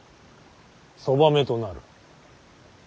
そばめとなる。